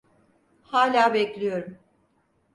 Hala bekliyorum.